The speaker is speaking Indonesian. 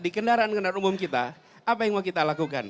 di kendaraan kendaraan umum kita apa yang mau kita lakukan